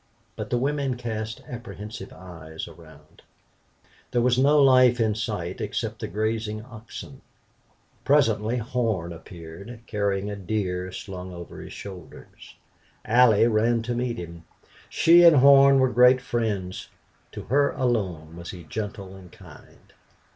But the women cast apprehensive eyes around. There was no life in sight except the grazing oxen. Presently Horn appeared carrying a deer slung over his shoulders. Allie ran to meet him. She and Horn were great friends. To her alone was he gentle and kind.